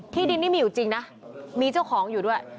ดินนี่มีอยู่จริงนะมีเจ้าของอยู่ด้วย